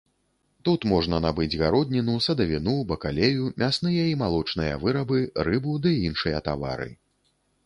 Тут можна набыць гародніну, садавіну, бакалею, мясныя і малочныя вырабы, рыбу ды іншыя тавары.